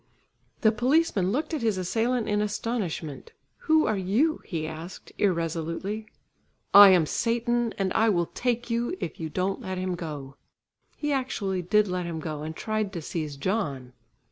The policeman looked at his assailant in astonishment. "Who are you?" he asked irresolutely. "I am Satan, and I will take you, if you don't let him go." He actually did let him go and tried to seize John.